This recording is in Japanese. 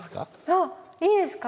あっいいですか？